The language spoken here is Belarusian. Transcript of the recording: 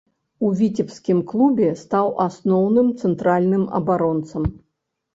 У віцебскім клубе стаў асноўным цэнтральным абаронцам.